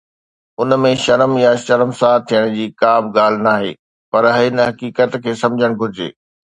ان ۾ شرم يا شرمسار ٿيڻ جي ڪا به ڳالهه ناهي، پر هن حقيقت کي سمجهڻ گهرجي.